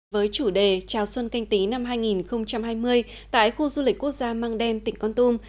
với chủ đề chào xuân canh tí năm hai nghìn hai mươi tại khu du lịch quốc gia mang đen tỉnh con tum